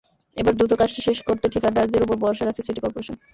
এবার দ্রুত কাজটি শেষ করতে ঠিকাদারদের ওপর ভরসা রাখছে সিটি করপোরেশন।